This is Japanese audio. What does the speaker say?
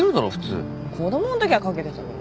子供んときは掛けてたけどさ。